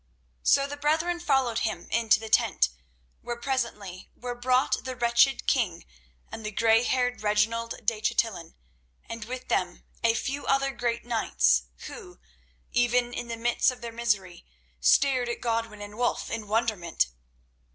So the brethren followed him into the tent, where presently were brought the wretched king and the grey haired Reginald de Chatillon, and with them a few other great knights who, even in the midst of their misery, stared at Godwin and Wulf in wonderment.